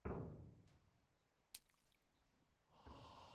এতক্ষণ কি ঠাট্টা করছিলেন?